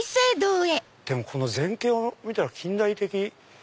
でもこの全景を見たら近代的。